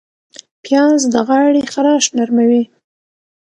پیاز د غاړې خراش نرموي